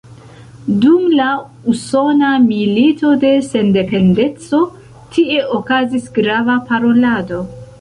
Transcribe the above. Dum la Usona Milito de Sendependeco tie okazis grava parolado.